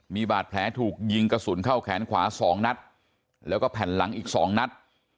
มีบาดแผลถูกยิงกระสุนเข้าแขนขวา๒นัดแล้วก็แผ่นหลังอีก๒นัด